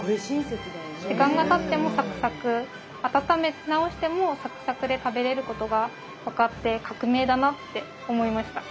時間がたってもサクサク温め直してもサクサクで食べれることが分かって革命だなって思いました。